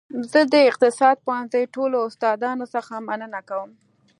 زه د اقتصاد پوهنځي ټولو استادانو څخه مننه کوم